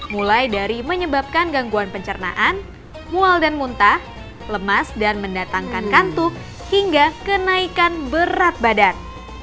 mulai dari menyebabkan gangguan pencernaan mual dan muntah lemas dan mendatangkan kantuk hingga kenaikan berat badan